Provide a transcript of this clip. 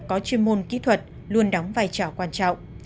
có chuyên môn kỹ thuật luôn đóng vai trò quan trọng